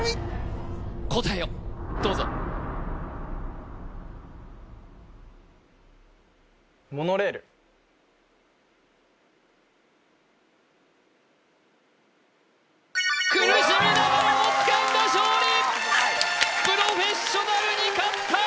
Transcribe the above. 答えをどうぞプロフェッショナルに勝った！